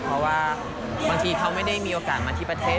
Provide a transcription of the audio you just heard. เพราะว่าบางทีเขาไม่ได้มีโอกาสมาที่ประเทศ